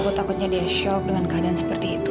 gue takutnya dia shock dengan keadaan seperti itu